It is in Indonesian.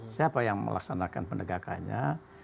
siapa yang melaksanakan penegakannya